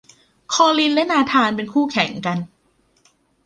คอลินและนาธานเป็นคู่แข่งกัน